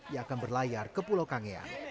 yang akan berlayar ke pulau kangea